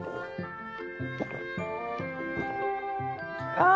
ああ！